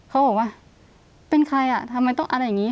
เขาบอกว่าเป็นใครอ่ะทำไมต้องอะไรอย่างนี้